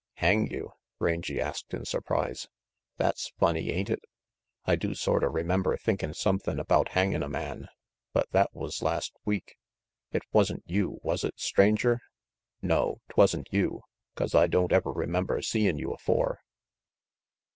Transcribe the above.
"Hang you?" Rangy asked in surprise. "That's funny, ain't it? I do sorta remember thinkin' some thin' about hangin' a man, but that was last week. It wasn't you, was it, Stranger? No, 'twan't you, 'cause I don't ever remember seein' you afore."